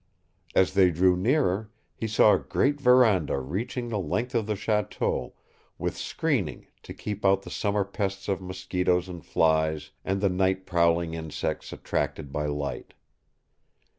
As they drew nearer, he saw a great veranda reaching the length of the chateau, with screening to keep out the summer pests of mosquitoes and flies and the night prowling insects attracted by light.